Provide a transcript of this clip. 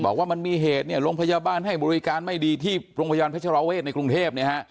บอกว่ามันมีเหตุเนี่ยโรงพยาบาลให้บริการไม่ดีที่โรงพยาบาลพัชราเวศในกรุงเทพเนี่ยฮะ